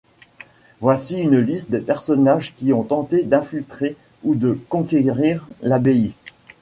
Voici une liste des personnages qui ont tenté d'infiltrer ou de conquérir l'abbaye.